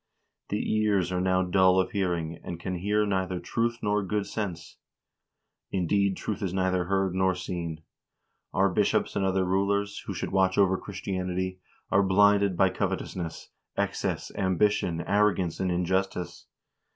The ears are now dull of hearing, and can hear neither truth nor good sense. Indeed, truth is neither heard nor seen. Our bishops and other rulers, who should watch over Christianity, are blinded by covetousness, excess, ambition, arrogance, and injustice.